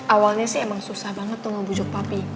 awalnya sih emang susah banget tuh ngebujuk papi